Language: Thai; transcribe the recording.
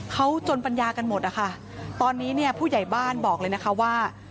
เขาจนปัญญากันหมดนะคะตอนนี้เนี่ยผู้ใหญ่บ้านบอกเลยนะคะว่า